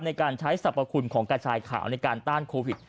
ในการใช้สรรพคุณของกระชายขาวในการต้านโควิด